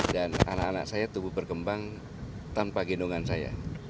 dan anak anak saya tubuh berkembang tanpa gendongan saya